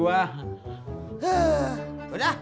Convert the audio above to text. waduh nggak usah